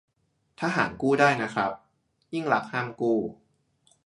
ทหารกู้ได้นะครับ ยิ่งลักษณ์ห้ามกู้